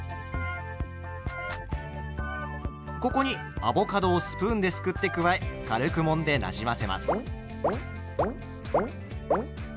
ここにアボカドをスプーンですくって加え軽くもんでなじませます。